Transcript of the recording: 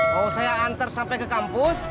mau saya antar sampai ke kampus